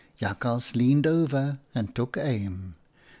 " Jakhals leaned over and took aim.